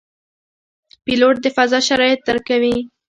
پیلوټ د فضا شرایط درک کوي.